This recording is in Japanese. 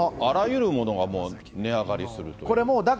あらゆるものがもう値上がりするという。